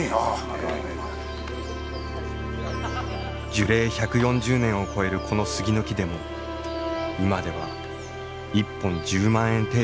樹齢１４０年を超えるこの杉の木でも今では１本１０万円程度だという。